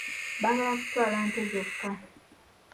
Baagala kutwala nte zokka.